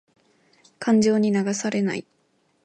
感情に流されない。